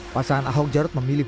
pasangan ahok jarut memilih